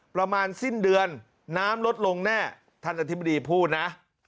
ประมาณสิ้นเดือนน้ำลดลงแน่ท่านอธิบดีพูดนะ